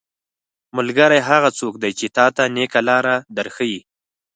ملګری هغه څوک دی چې تاته نيکه لاره در ښيي.